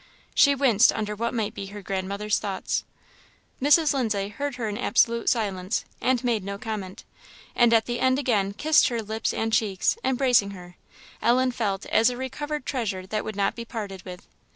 She winced under what might be her grandmother's thoughts. Mrs. Lindsay heard her in absolute silence, and made no comment, and at the end again kissed her lips and cheeks, embracing her, Ellen felt, as a recovered treasure that would not be parted with.